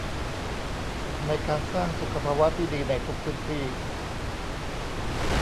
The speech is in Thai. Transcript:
ในการสร้างสุขภาวะที่ดีในทุกพื้นที่